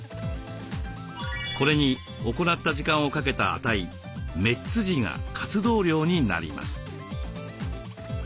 これに行った時間をかけた値「メッツ時」が活動量になります。